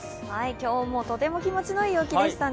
今日もとても気持ちのいい陽気でしたね。